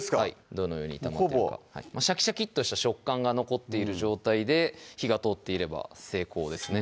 どのように炒まってるかシャキシャキッとした食感が残っている状態で火が通っていれば成功ですね